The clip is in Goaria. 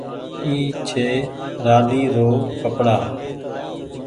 اي ڇي رآلي رو ڪپڙآ۔